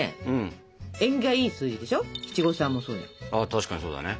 確かにそうだね。